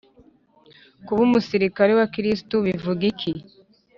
kuba umusirikare wa kristu bivuga iki?